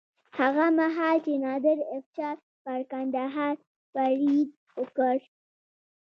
هغه مهال چې نادر افشار پر کندهار برید وکړ.